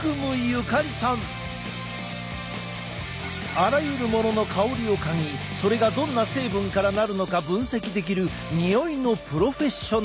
あらゆるものの香りを嗅ぎそれがどんな成分からなるのか分析できるにおいのプロフェッショナルだ。